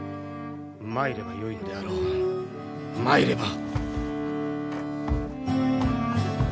参ればよいのであろう参れば。